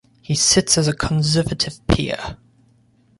He sits as a Conservative Peer.